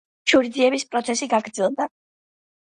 შურისძიების პროცესი გაგრძელდა.